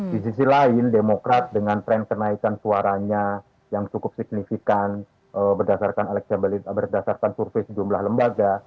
di sisi lain demokrat dengan tren kenaikan suaranya yang cukup signifikan berdasarkan survei sejumlah lembaga